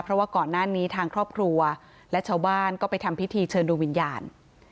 เพราะว่าก่อนหน้านี้ทางครอบครัวและชาวบ้านก็ไปทำพิธีเชิญดูวิญญาณ